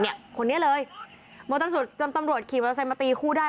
เนี่ยคนนี้เลยตำรวจขี่มอเตอร์แซงมาตีคู่ได้